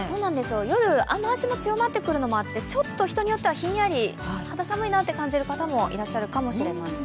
夜、雨足も強まってくるのもあって、人によってはひんやり、肌寒いなと感じる方もいるかもしれません。